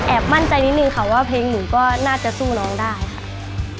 มั่นใจนิดนึงค่ะว่าเพลงหนูก็น่าจะสู้ร้องได้ค่ะ